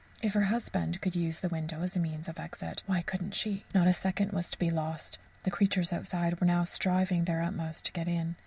If her husband could use the window as a means of exit, why couldn't she? Not a second was to be lost the creatures outside were now striving their utmost to get in.